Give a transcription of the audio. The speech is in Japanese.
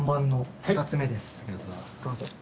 どうぞ。